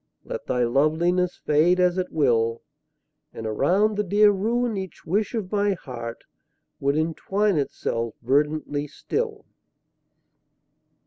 Let thy loveliness fade as it will. And around the dear ruin each wish of my heart Would entwine itself verdantly still.